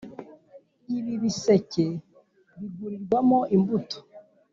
Ibibiseke bigurirwamo imbuto .